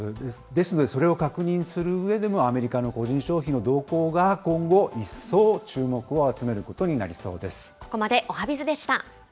ですので、それを確認するうえでも、アメリカの個人消費の動向が今後、一層注目を集めることになりそうです。